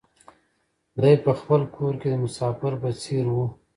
دی په خپل کور کې د مسافر په څېر و.